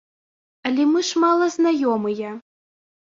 Але мы ж мала знаёмыя.